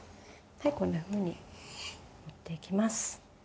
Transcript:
こんなふうにやっていきます。